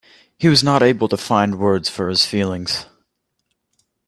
He was not able to find words for his feelings.